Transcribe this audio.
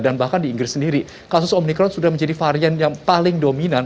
dan bahkan di inggris sendiri kasus omikron sudah menjadi varian yang paling dominan